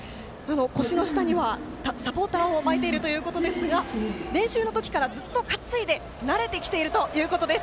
腰の下にはサポーターを巻いているということですが練習の時からずっと担いで慣れてきているということです。